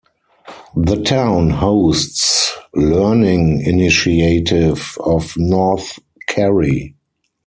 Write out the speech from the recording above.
The town hosts Learning Initiative of North Kerry.